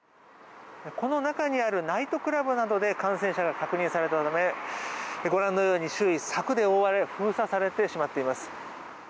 この中にあるナイトクラブなどで感染者が確認されたためご覧のように周囲は柵で覆われ封鎖されてしまっています。